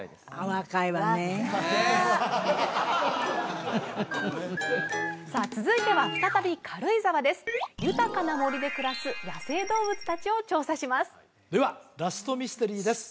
若さあ続いては再び軽井沢です豊かな森で暮らす野生動物達を調査しますではラストミステリーです